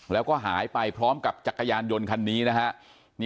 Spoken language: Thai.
แล้วก็หายไปพร้อมกับจักรยานยนต์คันนี้นะฮะ